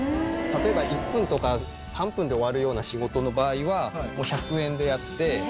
例えば１分とか３分で終わるような仕事の場合はもう１００円でやって。